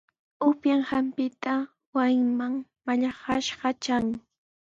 Upyanqanpita wasinman mallaqnashqa tran.